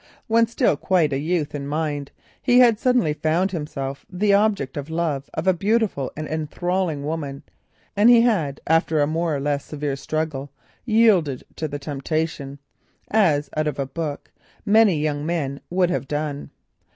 When still quite a youth in mind, he had suddenly found himself the object of the love of a beautiful and enthralling woman, and had after a more or less severe struggle yielded to the temptation, as, out of a book, many young men would have done.